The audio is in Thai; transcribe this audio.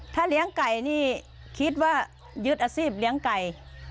ถ้าเลี้ยงไก่นี่คิดว่ายึดอาชีพเลี้ยงไก่